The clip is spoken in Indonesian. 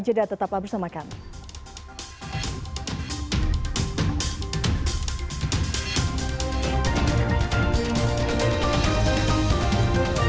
jadah tetaplah bersama kami